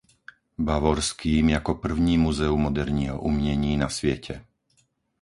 Bavorským jako první muzeum moderního umění na světě.